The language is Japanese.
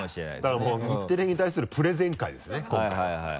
だからもう日テレに対するプレゼン回ですね今回は。